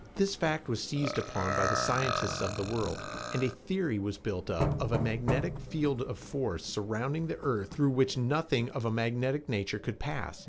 This fact was seized upon by the scientists of the world and a theory was built up of a magnetic field of force surrounding the earth through which nothing of a magnetic nature could pass.